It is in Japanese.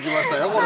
これ。